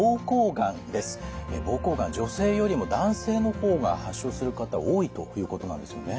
膀胱がん女性よりも男性の方が発症する方多いということなんですよね。